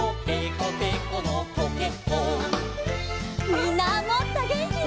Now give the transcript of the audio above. みんなもっとげんきに。